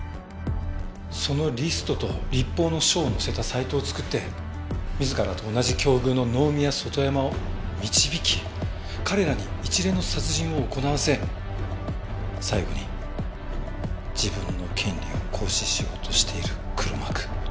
そのリストと律法の書を載せたサイトを作って自らと同じ境遇の能見や外山を導き彼らに一連の殺人を行わせ最後に自分の権利を行使しようとしている黒幕。